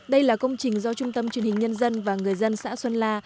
đây là công trình do trung tâm truyền hình nhân dân và người dân xã xuân la